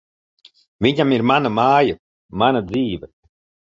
Viņam ir mana māja, mana dzīve.